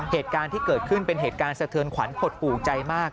เหตุการณ์ที่เกิดขึ้นเป็นเหตุการณ์สะเทือนขวัญหดหูใจมาก